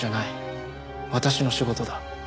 私の仕事だ。